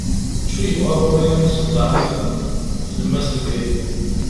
acu yebɣa ɣur-i umseḍḍeɛ-agi deg tlemmast n yiḍ